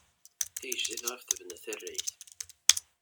Tigejdit ɣef tebna tarrayt.